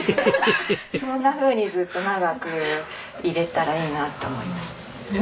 そんなふうにずっと長くいれたらいいなって思います。